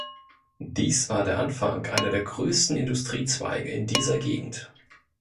Dies war der Anfang einer der größten Industriezweige in dieser Gegend.